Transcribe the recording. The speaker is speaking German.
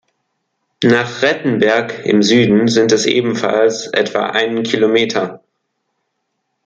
Nach Rettenberg im Süden sind es ebenfalls etwa einen Kilometer.